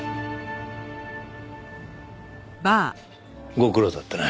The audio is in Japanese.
ご苦労だったな。